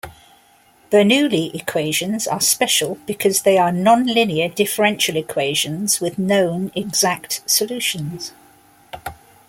Bernoulli equations are special because they are nonlinear differential equations with known exact solutions.